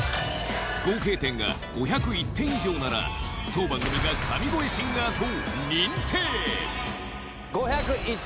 合計点が５０１点以上なら当番組が神声シンガーと認定！